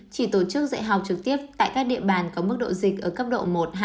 chỉ tổ chức dạy học trực tiếp tại các địa bàn có mức độ dịch ở cấp độ một hai